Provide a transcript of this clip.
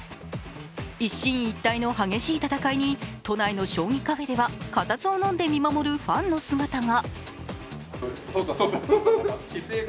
一進一退の激しい戦いに都内の将棋カフェでは固唾をのんで見守るファンの姿が。